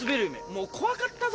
もう怖かったぞ。